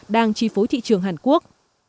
đang chi phối thị trường hàn quốc